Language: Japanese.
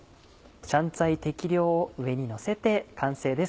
香菜適量を上にのせて完成です。